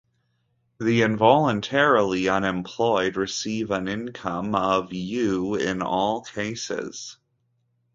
The involuntarily unemployed receive an income of "u" in all cases.